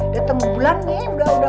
dateng bulan nih